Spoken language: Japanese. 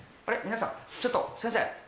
皆さんちょっと先生？